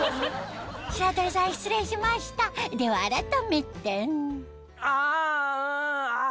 白鳥さん失礼しましたでは改めてあうんあ。